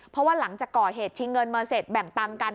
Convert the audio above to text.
เพราะว่าหลังจากก่อเหตุชิงเงินมาเสร็จแบ่งตังค์กัน